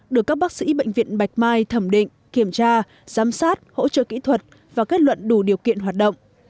được các bác sĩ bệnh viện bạch mai thẩm định kiểm tra giám sát hỗ trợ kỹ thuật và kết luận đủ điều kiện hoạt động